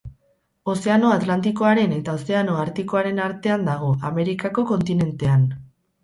Ozeano Atlantikoaren eta Ozeano Artikoaren artean dago, Amerikako kontinentean.